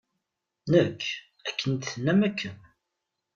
Nekk, akken i d-tennam akken.